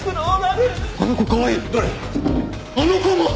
あの子も！